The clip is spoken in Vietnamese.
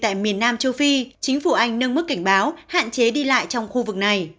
tại miền nam châu phi chính phủ anh nâng mức cảnh báo hạn chế đi lại trong khu vực này